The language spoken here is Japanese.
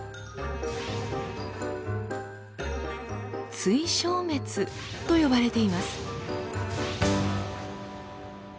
「対消滅」と呼ばれています。